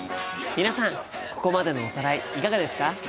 皆さんここまでのおさらいいかがですか？